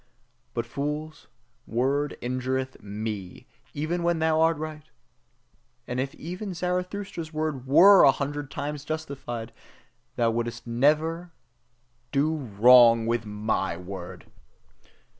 But thy fools' word injureth ME, even when thou art right! And even if Zarathustra's word WERE a hundred times justified, thou wouldst ever DO wrong with my word!